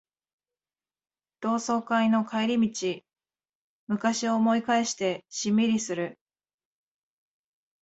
同窓会の帰り道、昔を思い返してしんみりする